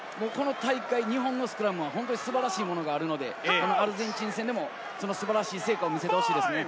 日本のスクラムは本当に素晴らしいものがあるので、アルゼンチン戦でもその素晴らしい成果を見せてほしいですね。